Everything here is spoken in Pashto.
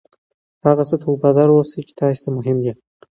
هغه څه ته وفادار اوسئ چې تاسې ته مهم دي.